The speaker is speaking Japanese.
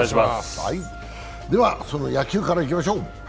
では、その野球からいきましょう。